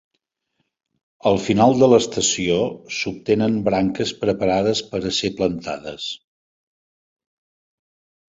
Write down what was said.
Al final de l'estació s'obtenen branques preparades per a ser plantades.